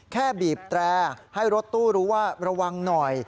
บีบแตรให้รถตู้รู้ว่าระวังหน่อย